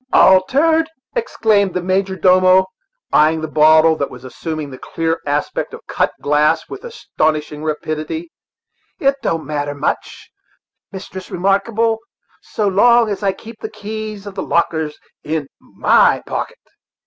"Altered!" exclaimed the major domo, eyeing the bottle, that was assuming the clear aspect of cut glass with astonishing rapidity; "it don't matter much, Mistress Remarkable, so long as I keep the keys of the lockers in my pocket."